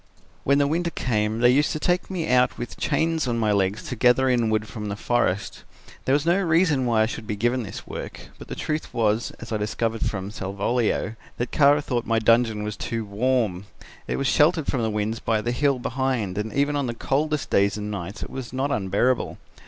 "When the winter came they used to take me out with chains on my legs to gather in wood from the forest. There was no reason why I should be given this work, but the truth was, as I discovered from Salvolio, that Kara thought my dungeon was too warm. It was sheltered from the winds by the hill behind and even on the coldest days and nights it was not unbearable.